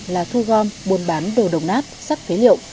là thu gom buôn bán đồ đồng nát sắt phế liệu